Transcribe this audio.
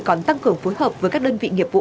còn tăng cường phối hợp với các đơn vị nghiệp vụ